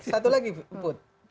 satu lagi put